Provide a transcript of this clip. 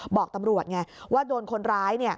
บอกตำรวจไงว่าโดนคนร้าย